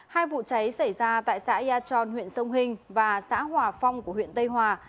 hai vụ cháy xảy ra tại xã yà tròn huyện sông hình và xã hòa phong của huyện tây hòa